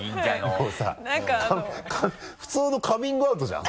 もうさ普通のカミングアウトじゃん